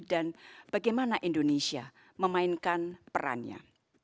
dan bagaimana indonesia memainkan perannya